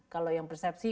kalau yang persepsi